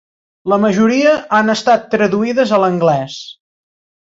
La majoria han estat traduïdes a l'anglès.